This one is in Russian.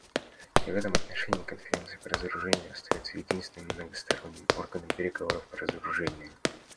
И в этом отношении Конференция по разоружению остается единственным многосторонним органом переговоров по разоружению.